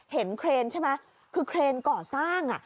เห็นเครนใช่ไหมคือเครนก่อสร้างอ่ะ